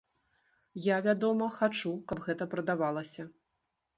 Я, вядома, хачу, каб гэта прадавалася.